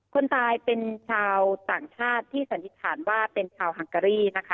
คนตายเป็นชาวต่างชาติที่สังคิดฐานว่าโทสดี